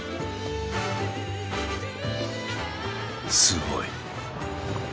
すごい！